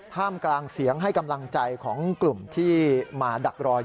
กลางเสียงให้กำลังใจของกลุ่มที่มาดักรอ